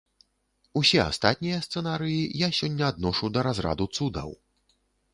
Усе астатнія сцэнарыі я сёння адношу да разраду цудаў.